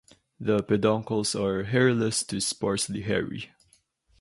The peduncles are hairless to sparsely hairy.